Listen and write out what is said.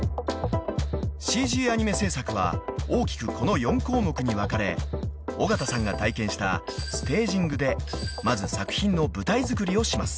［ＣＧアニメ制作は大きくこの４項目に分かれ尾形さんが体験したステージングでまず作品の舞台づくりをします］